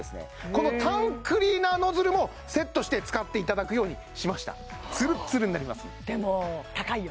このタンクリーナーノズルもセットして使っていただくようにしましたつるっつるになりますでも高いよ